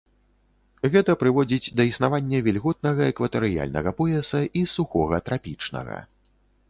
Гэта прыводзіць да існавання вільготнага экватарыяльнага пояса і сухога трапічнага.